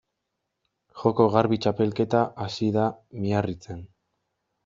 Joko Garbi txapelketa hasi da Miarritzen.